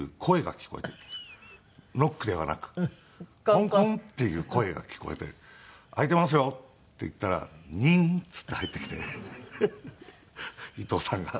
「コンコン」っていう声が聞こえて「開いていますよ」って言ったら「ニン」って言って入ってきて伊東さんが。